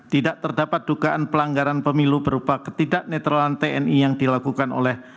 tidak terdapat dugaan pelanggaran pemilu berupa ketidak netralan tni yang dilakukan oleh